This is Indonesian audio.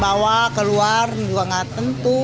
bawa keluar juga nggak tentu